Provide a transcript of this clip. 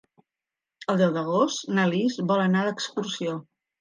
El deu d'agost na Lis vol anar d'excursió.